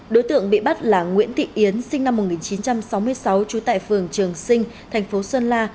đối tượng bị bắt là nguyễn thị yến sinh năm một nghìn chín trăm sáu mươi sáu trú tại phường trường sinh thành phố sơn la